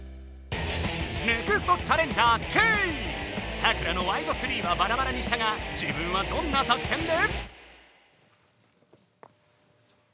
サクラのワイドツリーはバラバラにしたが自分はどんな作戦で？